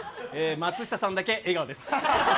松下さんだけ笑顔です。